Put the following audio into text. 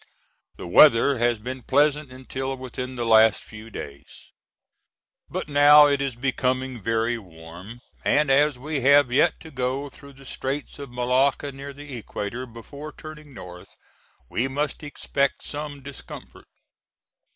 The weather has been pleasant until within the last few days. But now it is becoming very warm, and as we have yet to go through the Straits of Malacca near the equator before turning north, we must expect some discomfort.